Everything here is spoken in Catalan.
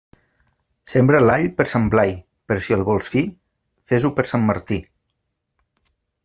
Sembra l'all per Sant Blai, però si el vols fi, fes-ho per Sant Martí.